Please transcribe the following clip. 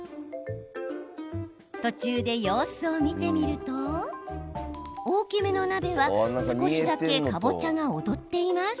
途中で様子を見てみると大きめの鍋は、少しだけかぼちゃが踊っています。